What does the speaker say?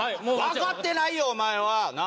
わかってないよお前は。なあ？